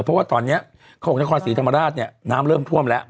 เพราะว่าตอนนี้เขาบอกนครศรีธรรมราชเนี่ยน้ำเริ่มท่วมแล้ว